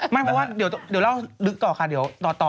ไม่เพราะว่าเดี๋ยวเล่าลึกต่อค่ะเดี๋ยวต่อ